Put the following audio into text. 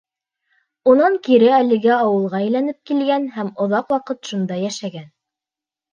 Унан кире әлеге ауылға әйләнеп килгән һәм оҙаҡ ваҡыт шунда йәшәгән.